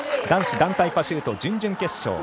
男子団体パシュート準々決勝。